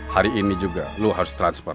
hari ini juga lo harus transfer